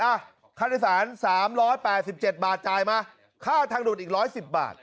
ค่าโดยสาร๓๘๗บาทจ่ายมาค่าทางด่วนอีก๑๑๐บาท